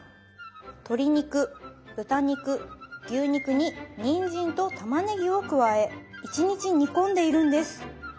鶏肉豚肉牛肉ににんじんとたまねぎを加え１日煮込んでいるんです。